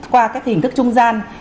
qua các cái hình thức trung gian